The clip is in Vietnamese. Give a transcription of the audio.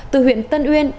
từ huyện tân uyên